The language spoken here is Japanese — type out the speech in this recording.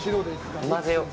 混ぜよう。